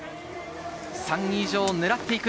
３位以上を狙っていく。